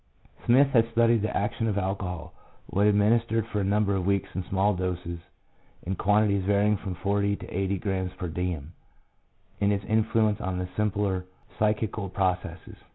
1 " Smith has studied the action of alcohol, when administered for a number of weeks in small doses in quantities varying from forty to eighty grams per diem, in its influence on the simpler psychical pro cesses.